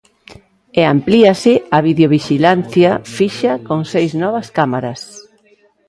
E amplíase a videovixilancia fixa con seis novas cámaras.